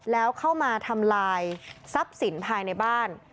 แล้วเข้ามาทำลายทรัพย์สินภายในบ้าน